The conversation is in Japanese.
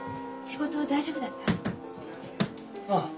仕事大丈夫だった？